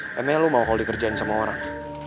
emangnya lo mau kalau dikerjain sama orang